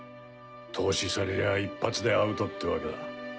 透視されりゃあ一発でアウトってわけだ。